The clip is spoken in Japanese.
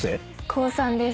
高３です。